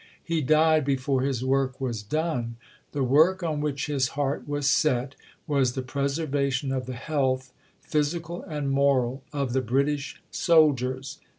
"He died before his work was done." The work on which his heart was set was the preservation of the health, physical and moral, of the British soldiers.